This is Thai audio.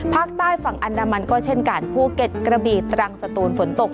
ภาคใต้ฝั่งอันดามันก็เช่นกันภูเก็ตกระบีตรังสตูนฝนตก